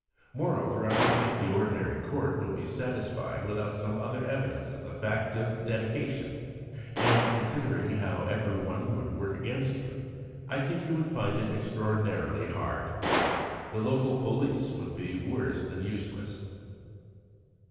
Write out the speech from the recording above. Moreover, I don't think the ordinary Court would be satisfied without some other evidence of the fact of dedication; and considering how everyone would work against you, I think you would find it extraordinarily hard. The local police would be worse than useless."